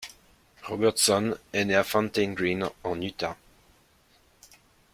Robertson est né à Fountain Green en Utah.